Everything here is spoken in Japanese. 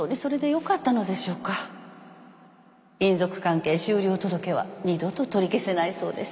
姻族関係終了届は二度と取り消せないそうです。